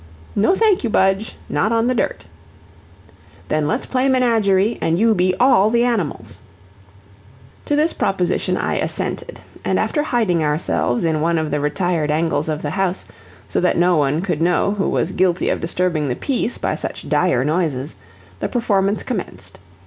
"No, thank you, Budge, not on the dirt." "Then let's play menagerie, an' you be all the animals." To this proposition I assented, and after hiding ourselves in one of the retired angles of the house, so that no one could know who was guilty of disturbing the peace by such dire noises, the performance commenced.